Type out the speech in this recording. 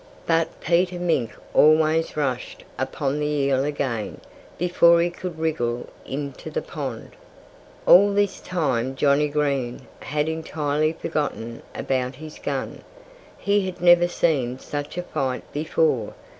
But Peter Mink always rushed upon the eel again before he could wriggle into the pond. All this time Johnnie Green had entirely forgotten about his gun. He had never seen such a sight before.